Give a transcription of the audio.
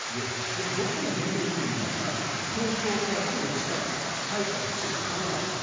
じゃあ、どこに出ていくんですか東京からすぐ近く埼玉、千葉、神奈川です。